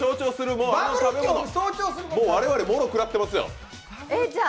もう我々、もろ食らってますよ。